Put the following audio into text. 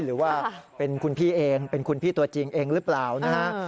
หรือว่าเป็นคุณพี่เองเป็นคุณพี่ตัวจริงเองหรือเปล่านะฮะ